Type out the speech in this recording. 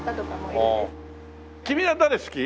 君は誰好き？